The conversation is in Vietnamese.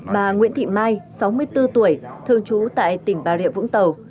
bà nguyễn thị mai sáu mươi bốn tuổi thương chú tại tỉnh bà rịa vũng tàu